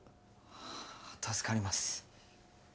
はあ助かります。